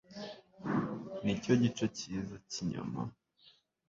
Nicyo gice cyiza cyinyama